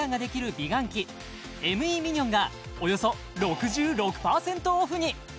美顔器ＭＥミニョンがおよそ６６％オフに！